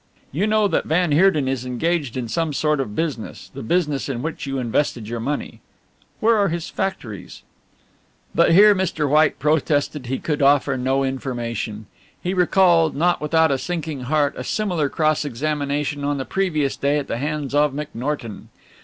You know that van Heerden is engaged in some sort of business the business in which you invested your money. Where are his factories?" But here Mr. White protested he could offer no information. He recalled, not without a sinking of heart, a similar cross examination on the previous day at the hands of McNorton.